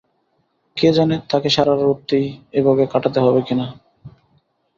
কে জানে তাকে সারা রােতই এভাবে কাটাতে হবে কি-না।